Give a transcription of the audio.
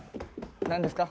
何ですか？